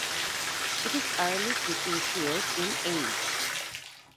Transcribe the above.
It is Early Cretaceous in age.